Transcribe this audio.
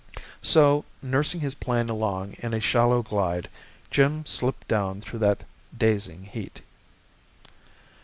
So, nursing his plane along in a shallow glide, Jim slipped down through that dazing heat.